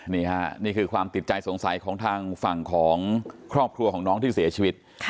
นี่ค่ะนี่คือความติดใจสงสัยของทางฝั่งของครอบครัวของน้องที่เสียชีวิต